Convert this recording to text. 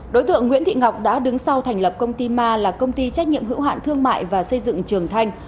đối tượng nguyễn thị ngọc đã đứng sau thành lập công ty ma là công ty trách nhiệm hữu hạn thương mại và xây dựng trường thanh